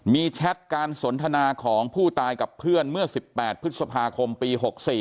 มีแชทการสนทนาของผู้ตายกับเพื่อนเมื่อ๑๘พฤษภาคมปี๖๔